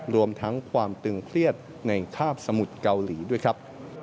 รวมทั้งความตึงเครียดในคาบสมุทรเกาหลีด้วยครับ